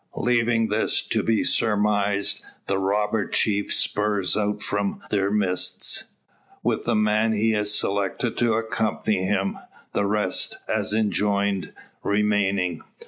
Leaving this to be surmised, the robber chief spurs out from their midst, with the man he has selected to accompany him; the rest, as enjoined, remaining.